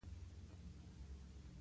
سګرټ څکول د سرطان خطر زیاتوي.